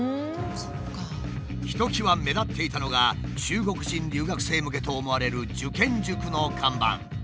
ひときわ目立っていたのが中国人留学生向けと思われる受験塾の看板。